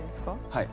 はい。